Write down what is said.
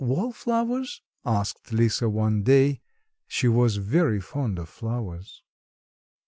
"Wall flowers?" asked Lisa one day, she was very fond of flowers....